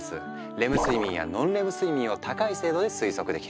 レム睡眠やノンレム睡眠を高い精度で推測できる。